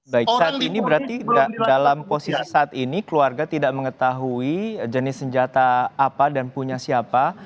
baik saat ini berarti dalam posisi saat ini keluarga tidak mengetahui jenis senjata apa dan punya siapa